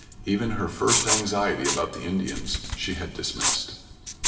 Even her first anxiety about the Indians she had dismissed.